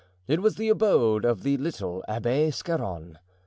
It was the abode of the little Abbé Scarron.